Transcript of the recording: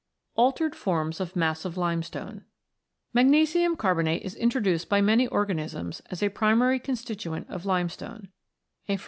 ALTERED FORMS OF MASSIVE LIMESTONE Magnesium carbonate is introduced by many organisms as a primary constituent of limestone (n few).